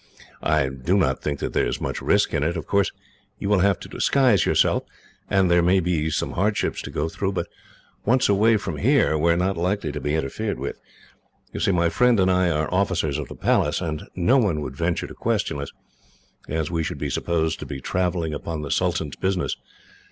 I do not think that there is much risk in it. Of course, you will have to disguise yourself, and there may be some hardships to go through, but once away from here we are not likely to be interfered with. You see, my friend and I are officers of the Palace, and no one would venture to question us, as we should be supposed to be travelling upon the sultan's business.